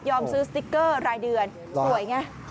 ซื้อสติ๊กเกอร์รายเดือนสวยไง